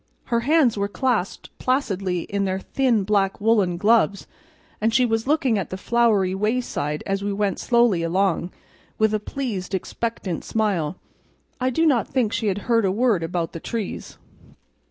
Her hands were clasped placidly in their thin black woolen gloves, and she was looking at the flowery wayside as we went slowly along, with a pleased, expectant smile. I do not think she had heard a word about the trees.